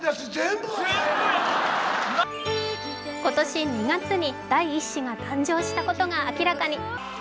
今年２月に第１子が誕生したことが明らかに。